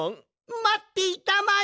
まっていたまえ